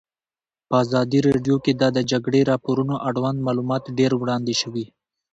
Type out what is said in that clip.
په ازادي راډیو کې د د جګړې راپورونه اړوند معلومات ډېر وړاندې شوي.